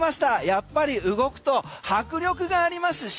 やっぱり動くと迫力がありますし